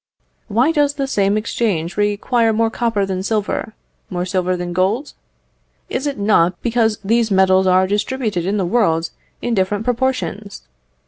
Why does the same exchange require more copper than silver, more silver than gold? Is it not because these metals are distributed in the world in different proportions?